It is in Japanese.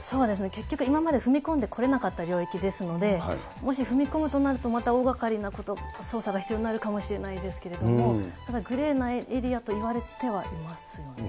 結局今まで踏み込んでこれなかった領域ですので、もし踏み込むとなると、また大がかりな捜査が必要になるかもしれないですけれども、ただグレーなエリアとは言われてはいますよね。